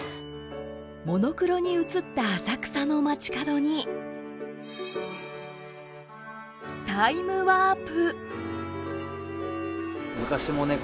モノクロに写った浅草の街角にタイムワープ。